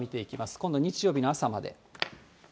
今度日曜日の朝まで。